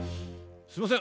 すいません。